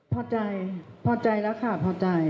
พอใจพอใจแล้วค่ะพอใจ